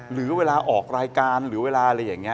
หรือเวลาออกรายการหรือเวลาอะไรอย่างนี้